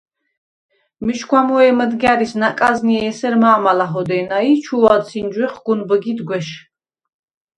“მიშგუ̂ა მუე მჷდგა̈რის ნაკაზნიე ესერ მა̄მა ლაჰოდე̄ნა ი ჩუუ̂ ადსინჯუ̂ეხ გუნ ბჷგიდ გუ̂ეშ”.